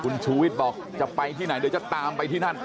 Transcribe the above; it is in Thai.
คุณชูวิทย์บอกจะไปที่ไหนเดี๋ยวจะตามไปที่นั่น